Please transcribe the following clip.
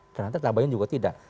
karena nanti tabayun juga tidak